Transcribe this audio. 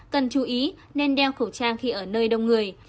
cần chú ý nên đeo khẩu trang khi ở nơi đông người